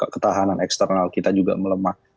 ketahanan eksternal kita juga melemah